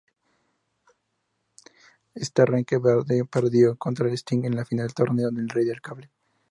En Starrcade, Vader perdió contra Sting en la final del torneo "Rey del Cable".